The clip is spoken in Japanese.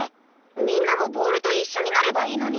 みんなもボールと一緒になればいいのに。